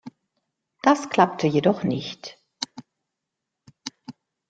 Das klappte jedoch nicht.